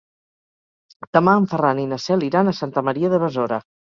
Demà en Ferran i na Cel iran a Santa Maria de Besora.